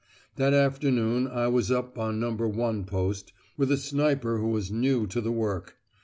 That afternoon I was up on No. 1 post, with a sniper who was new to the work.